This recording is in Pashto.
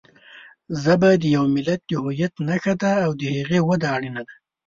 ژبه د یوه ملت د هویت نښه ده او د هغې وده اړینه ده.